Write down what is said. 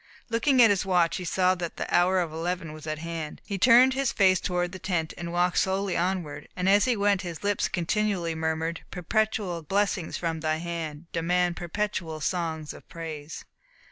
Looking at his watch he saw that the hour of eleven was at hand. He turned his face toward the tent, and walked slowly onward, and as he went his lips continually murmured, "Perpetual blessings from thy hand, Demand perpetual songs of praise."